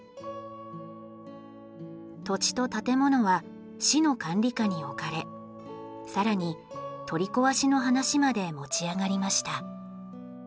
土地と建物は市の管理下に置かれ更に取り壊しの話まで持ち上がりました。